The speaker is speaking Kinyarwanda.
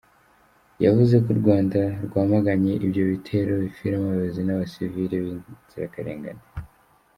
Yavuze ko u Rwanda rwamaganye ibyo bitero bipfiramo abayobozi n’abasivili b’inzirakarengane.